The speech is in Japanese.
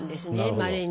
まれに。